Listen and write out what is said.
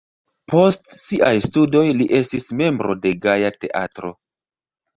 Post siaj studoj li estis membro de Gaja Teatro.